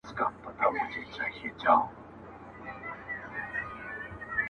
نور څه نسته هغه سپی دی او دی خر دی-